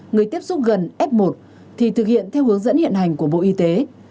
người tiếp xúc gần f một thì thực hiện theo hướng dẫn hiện hành của bộ y tế